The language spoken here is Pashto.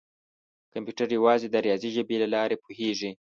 کمپیوټر یوازې د ریاضي ژبې له لارې پوهېږي.